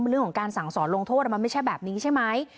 เรื่องของการสั่งสอนลงโทษมันไม่ใช่แบบนี้ใช่ไหม